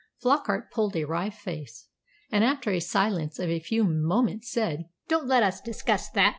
Flockart pulled a wry face, and after a silence of a few moments said, "Don't let us discuss that.